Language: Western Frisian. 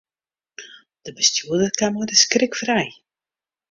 De bestjoerder kaam mei de skrik frij.